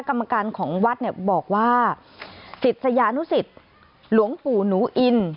กรรมการของวัดบอกว่าศิษยานุศิษยษหลวงปู่นุอิน